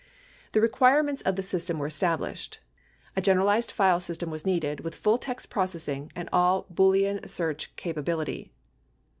The requirements of the system were established. A generalized file system was needed with full text processing and all Boolean search capability.